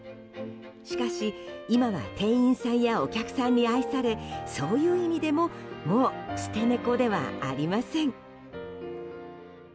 しかし、今は店員さんやお客さんに愛されそういう意味でももう捨て猫ではありません。